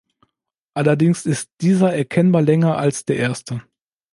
Allerdings ist dieser erkennbar länger als der erste.